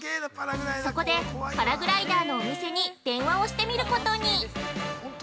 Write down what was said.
そこで、パラグライダーのお店に電話をしてみることに。